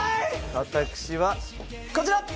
私はこちら！